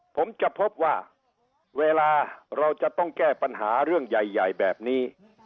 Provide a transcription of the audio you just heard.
ผมจะพบว่าเวลาเราจะต้องแก้ปัญหาเรื่องใหญ่แบบนี้